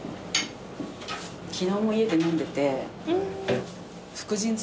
昨日も家で飲んでて。